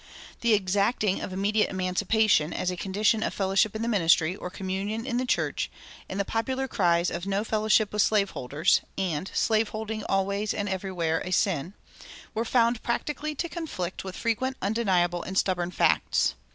The exacting of "immediate emancipation" as a condition of fellowship in the ministry or communion in the church, and the popular cries of "No fellowship with slave holders," and "Slave holding always and every where a sin," were found practically to conflict with frequent undeniable and stubborn facts.